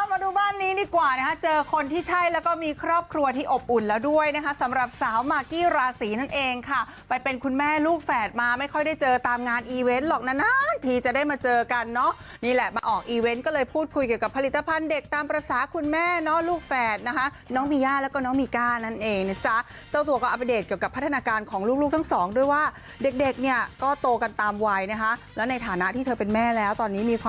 มาดูบ้านนี้ดีกว่าเจอคนที่ใช่แล้วก็มีครอบครัวที่อบอุ่นแล้วด้วยนะครับสำหรับสาวมากี้ราศรีนั่นเองค่ะไปเป็นคุณแม่ลูกแฝดมาไม่ค่อยได้เจอตามงานอีเวนต์หรอกนานทีจะได้มาเจอกันเนาะนี่แหละมาออกอีเวนต์ก็เลยพูดคุยกับผลิตภัณฑ์เด็กตามภาษาคุณแม่เนาะลูกแฝดนะคะน้องมีย่าแล้วก็น้องมีก